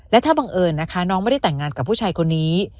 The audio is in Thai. และถ้าบังเอิญนะคะน้องไม่ได้แต่งงานกับผู้ชายคนนี้